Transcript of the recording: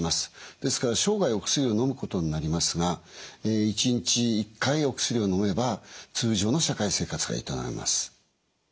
ですから生涯お薬をのむことになりますが１日１回お薬をのめば通常の社会生活が営めます。